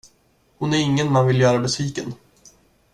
Hon är ingen man vill göra besviken.